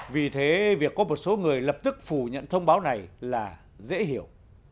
vì thế việc có một số người lập tức phủ nhận thông báo này là dễ hiểu